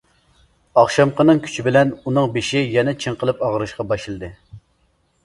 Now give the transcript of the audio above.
ئاخشامقىنىڭ كۈچى بىلەن ئۇنىڭ بېشى يەنە چىڭقىلىپ ئاغرىشقا باشلىدى.